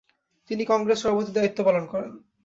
তিনি কংগ্রেস সভাপতির দায়িত্ব পালন করেন।